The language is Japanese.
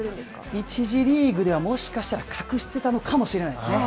１次リーグではもしかしたら隠していたのかもしれないですね。